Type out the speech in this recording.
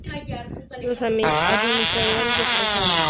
Los administradores responsables fueron castigados.